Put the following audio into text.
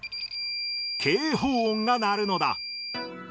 警報音が鳴るのだ。